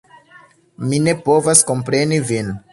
Mi ne povas kompreni vin.